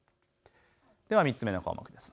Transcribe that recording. では３つ目の項目です。